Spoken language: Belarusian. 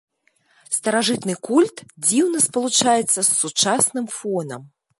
Старажытны культ дзіўна спалучаецца з сучасным фонам.